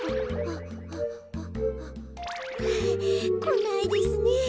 こないですねえ。